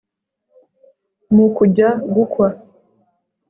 mu kujya gukwa